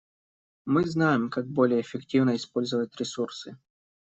Мы знаем, как более эффективно использовать ресурсы.